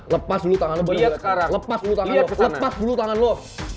lepas dulu tangan lo